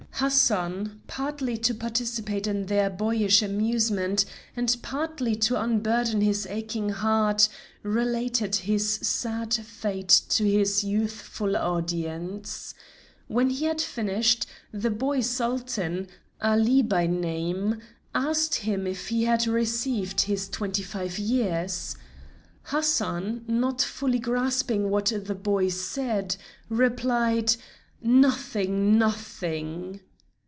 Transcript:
Hassan, partly to participate in their boyish amusement, and partly to unburden his aching heart, related his sad fate to his youthful audience. When he had finished, the boy Sultan, Ali by name, asked him if he had received his twenty five years. Hassan, not fully grasping what the boy said, replied: "Nothing! Nothing!"